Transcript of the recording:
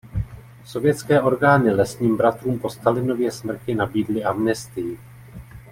Sovětské orgány lesním bratrům po Stalinově smrti nabídly amnestii.